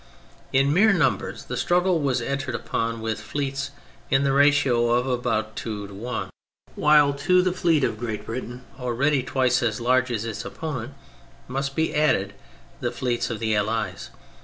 In mere numbers the struggle was entered upon with fleets in the ratio of about two to one, while to the fleet of Great Britain, already twice as large as its opponent, must be added the fleets of the Allies.